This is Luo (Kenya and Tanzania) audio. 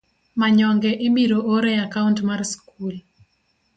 manyonge ibiro or e akaunt mar skul.